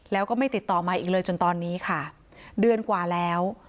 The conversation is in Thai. แล้วก็ไม่ติดต่อมาอีกเลยจนตอนนี้ค่ะเดือนกว่าแล้ว